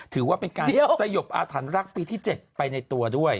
ถือว่าเป็นการสยบอาถรรพ์รักปีที่๗ไปในตัวด้วย